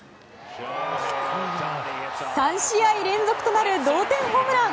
３試合連続となる同点ホームラン！